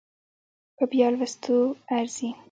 په بيا لوستو ارزي